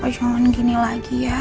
oh jangan gini lagi ya